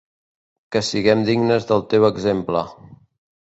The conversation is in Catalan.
Que siguem dignes del teu exemple.